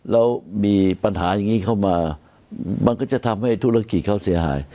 แล้วมีปัญหาอย่างนี้เข้ามามันก็จะทำให้ธุรกิจเขาเสียหาย